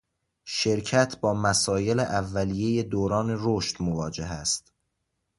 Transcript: شرکت با مسایل اولیه دوران رشد مواجه است.